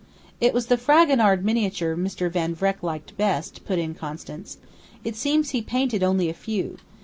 "It was the Fragonard miniature Mr. Van Vreck liked best," put in Constance. "It seems he painted only a few.